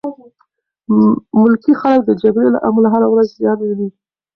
ملکي خلک د جګړې له امله هره ورځ زیان ویني.